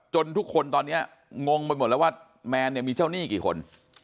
ทุกคนตอนนี้งงไปหมดแล้วว่าแมนเนี่ยมีเจ้าหนี้กี่คน